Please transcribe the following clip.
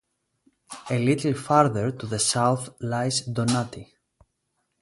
A little further to the south lies Donati.